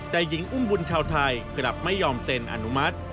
แต่หญิงอุ้มบุญชาวไทยกลับไม่ยอมเซ็นอนุมัติ